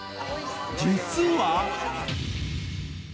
実は